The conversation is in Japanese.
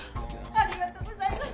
ありがとうございます！